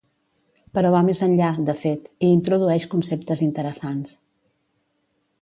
Però va més enllà, de fet, i introdueix conceptes interessants.